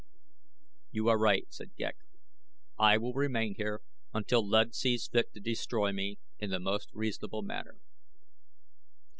"You are right," said Ghek. "I will remain here until Luud sees fit to destroy me in the most reasonable manner."